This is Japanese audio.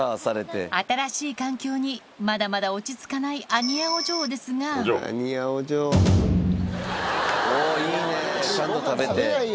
新しい環境にまだまだ落ち着かないアニヤお嬢ですがおいいねちゃんと食べて。